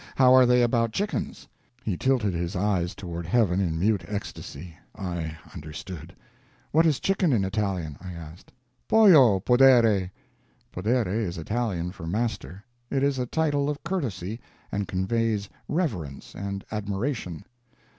How are they about chickens?" He tilted his eyes toward heaven in mute ecstasy. I understood. "What is chicken, in Italian?" I asked. "Pollo, Podere." (Podere is Italian for master. It is a title of courtesy, and conveys reverence and admiration.)